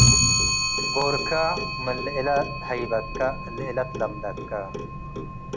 ጎርካ ምን ለእለ ተሀይበከ ለእለ ተለምደከ።